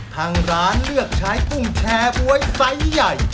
ทางร้านเลือกใช้กุ้งแชร์บ๊วยไซส์ใหญ่